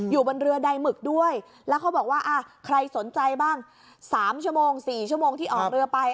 อยู่บนเรือใดหมึกด้วยแล้วเขาบอกว่าใครสนใจบ้าง๓ชั่วโมง๔ชั่วโมงที่ออกเรือไป